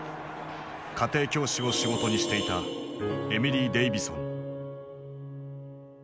家庭教師を仕事にしていたエミリー・デイヴィソン。